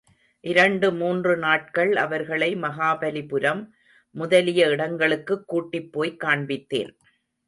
இரண்டு மூன்று நாட்கள் அவர்களை மகாபலிபுரம் முதலிய இடங்களுக்குக் கூட்டிபோய் காண்பித்தேன்.